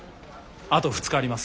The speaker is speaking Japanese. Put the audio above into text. あと２日あります。